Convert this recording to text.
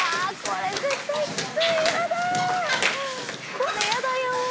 これやだよ！